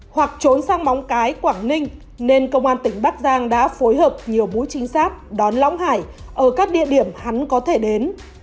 hoặc trốn sang móng cái quảng ninh nên công an tỉnh bắc giang đã phối hợp nhiều mũi trinh sát đón lõng hải ở các địa điểm hắn có thể đến